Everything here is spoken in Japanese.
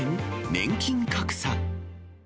年金格差。